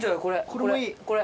これもいい。